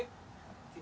mà trổ mông